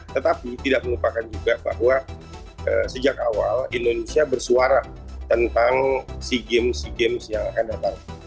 tetapi tidak melupakan juga bahwa sejak awal indonesia bersuara tentang sea games sea games yang akan datang